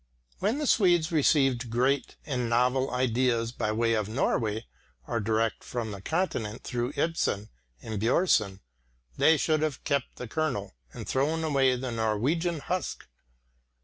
When the Swedes received great and novel ideas by way of Norway or direct from the Continent through Ibsen and Björnson, they should have kept the kernel and thrown away the Norwegian husk.